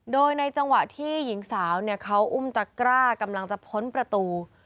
โดยในจังหวะที่หญิงสาวเขาอุ้มตะกร้ากำลังจะพ้นประตู